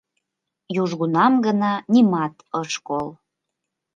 Южгунам гына нимат ыш кол.